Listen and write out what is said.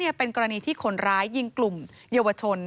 เหตุการณ์นี้เป็นกรณีที่คนร้ายยิงกลุ่มเยาวชน